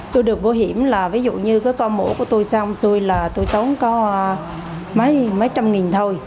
tôi được bảo hiểm là ví dụ như cái con mổ của tôi xong xui là tôi tốn có mấy trăm nghìn thôi